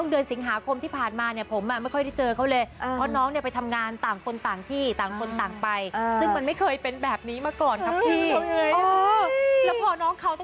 ต้องควรกลับอธิบายลิ้นแบบเป็นพันละวันเลย